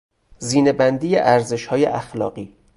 زینهبندی ارزشهای اخلاقی